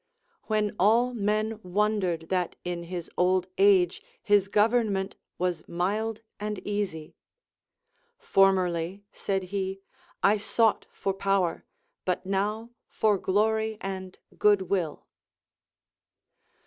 When all men wondered that in his old age his government was mild and easy ; Formerly, said he, I songht for power, but now for glory and good will.